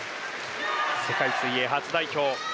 世界水泳初代表。